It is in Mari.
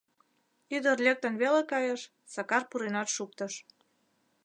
Ӱдыр лектын веле кайыш — Сакар пуренат шуктыш.